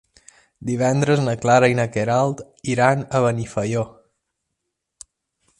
Divendres na Clara i na Queralt iran a Benifaió.